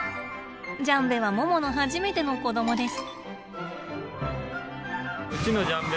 ジャンベはモモの初めての子供です。